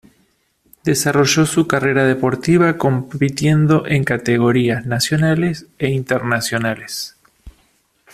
Desarrolló su carrera deportiva compitiendo en categorías nacionales e internacionales.